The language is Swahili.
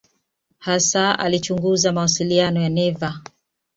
Hasa alichunguza mawasiliano ya neva.